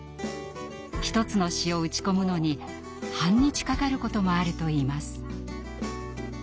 １つの詩を打ち込むのに半日かかることもあるといいます。